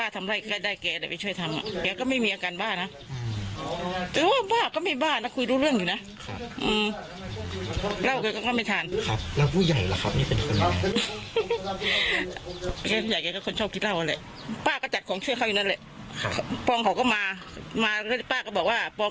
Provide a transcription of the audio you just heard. ถ้าเขาไม่มีข้าวหงวมานั้นป้าเห็นก็ซื้อข้าวเป็นสองโลใช่ไหม